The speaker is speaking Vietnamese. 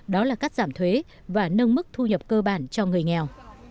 đó là cắt giảm thuế và nâng mức thu nhập cơ bản cho người nghèo